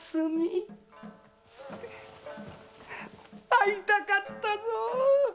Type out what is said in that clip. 会いたかったぞ。